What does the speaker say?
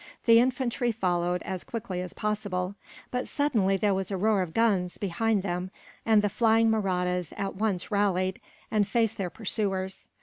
The infantry followed, as quickly as possible. But suddenly there was a roar of guns, behind them; and the flying Mahrattas at once rallied, and faced their pursuers.